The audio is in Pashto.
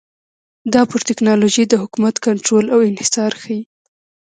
دا پر ټکنالوژۍ د حکومت کنټرول او انحصار ښيي